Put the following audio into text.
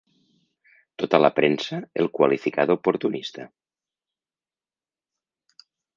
Tota la premsa el qualificà d'oportunista.